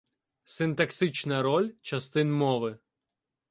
Синтаксична роль частин мови